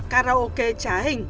karaoke trá hình